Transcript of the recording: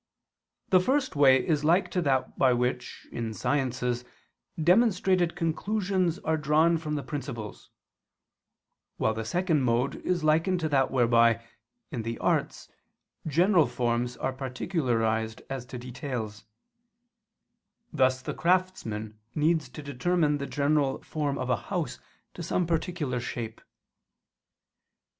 The first way is like to that by which, in sciences, demonstrated conclusions are drawn from the principles: while the second mode is likened to that whereby, in the arts, general forms are particularized as to details: thus the craftsman needs to determine the general form of a house to some particular shape.